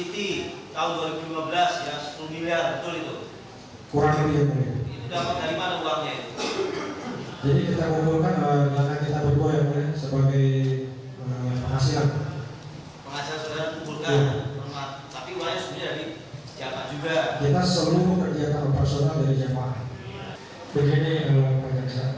kita selalu kerja dengan operasional dari jemaah